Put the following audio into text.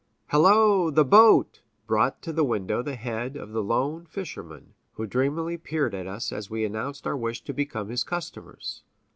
"Hello, the boat!" brought to the window the head of the lone fisherman, who dreamily peered at us as we announced our wish to become his customers.